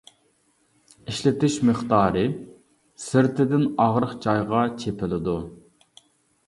ئىشلىتىش مىقدارى: سىرتىدىن ئاغرىق جايغا چېپىلىدۇ.